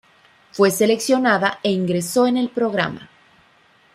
Fue seleccionada e ingresó en el programa.